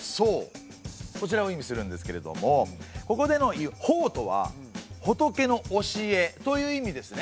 こちらを意味するんですけれどもここでの「法」とは仏の教えという意味ですね。